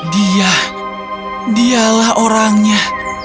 dia dialah orangnya